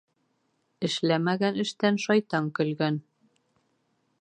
Эшләмәгән эштән шайтан көлгән.